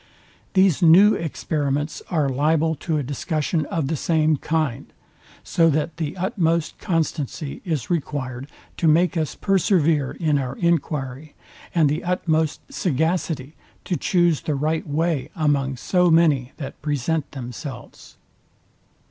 These new experiments are liable to a discussion of the same kind; so that the utmost constancy is requird to make us persevere in our enquiry, and the utmost sagacity to choose the right way among so many that present themselves.